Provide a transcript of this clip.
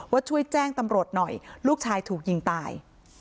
ช่วยแจ้งตำรวจหน่อยลูกชายถูกยิงตาย